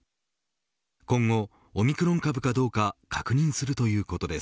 今後、オミクロン株かどうか確認するということです。